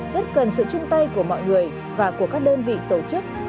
rất cần sự chung tay của mọi người và của các đơn vị tổ chức